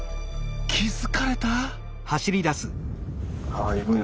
気付かれた？